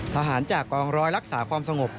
ทหารจากกองร้อยรักษาความสงบ